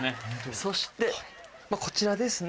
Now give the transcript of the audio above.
そしてこちらですね。